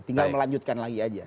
tinggal melanjutkan lagi aja